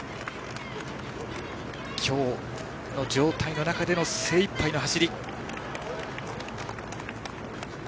今日の状態の中での精いっぱいの走り。